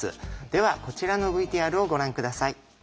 ではこちらのＶＴＲをご覧下さい。